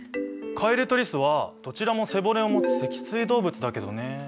カエルとリスはどちらも背骨をもつ脊椎動物だけどね。